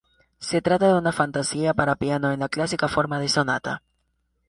Se trata de una Fantasía para piano en la clásica forma de sonata.